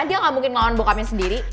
dia gak mungkin ngelawan bokapnya sendiri